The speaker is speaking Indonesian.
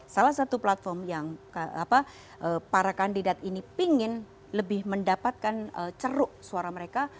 salah satu platform yang para kandidat ini pingin lebih mendapatkan ceruk suara mereka